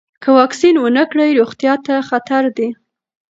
که واکسین ونه کړئ، روغتیا ته خطر دی.